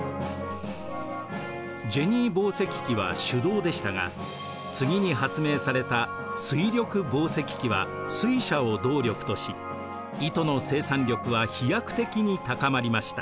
ジェニー紡績機は手動でしたが次に発明された水力紡績機は水車を動力とし糸の生産力は飛躍的に高まりました。